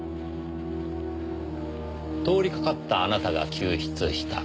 通りかかったあなたが救出した。